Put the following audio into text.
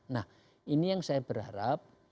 nah ini yang saya berharap